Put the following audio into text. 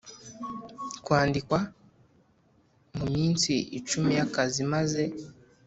Kwandikwa mu minsi icumi y akazi imaze